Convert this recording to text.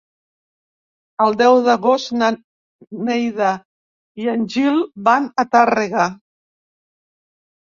El deu d'agost na Neida i en Gil van a Tàrrega.